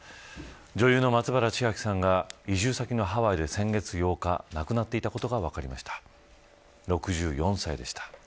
女優の松原千明さんが移住先のハワイで先月８日、亡くなっていたことが分かりました。